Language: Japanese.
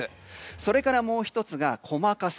それから、もう１つが細かさ。